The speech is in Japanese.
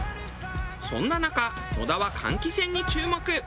そんな中野田は換気扇に注目。